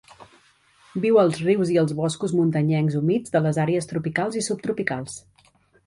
Viu als rius i als boscos muntanyencs humits de les àrees tropicals i subtropicals.